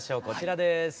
こちらです。